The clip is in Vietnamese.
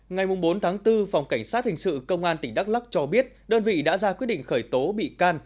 ngày bốn tháng bốn phòng cảnh sát hình sự công an tỉnh đắk lắc cho biết đơn vị đã ra quyết định khởi tố bị can